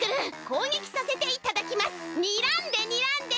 こうげきさせていただきます。